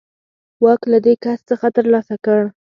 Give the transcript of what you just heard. واک له دې کس څخه ترلاسه کړ.